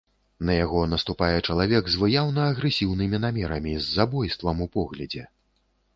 На яго наступае чалавек з выяўна агрэсіўнымі намерамі, з забойствам у поглядзе.